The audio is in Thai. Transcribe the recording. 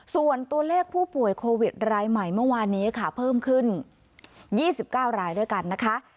ส่วนตัวเลขผู้ป่วยโควิดรายใหม่เมื่อวานนี้ค่ะเพิ่มขึ้น๒๙รายด้วยกันนะคะ